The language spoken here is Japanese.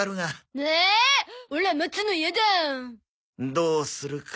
どうするか。